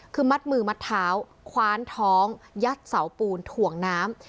คือมัดมือมัดเท้าคว้านท้องยัดเสาปูนถ่วงน้ำ